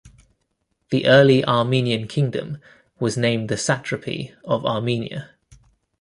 The early Armenian kingdom was named the Satrapy of Armenia.